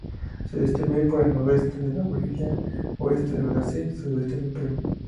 Se distribuye por el noroeste de Bolivia, oeste de Brasil y sudeste de Perú.